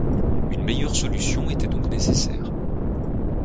Une meilleure solution était donc nécessaire.